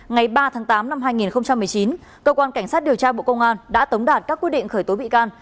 ngày ba tháng tám năm hai nghìn một mươi chín cơ quan cảnh sát điều tra bộ công an đã tống đạt các quyết định khởi tố bị can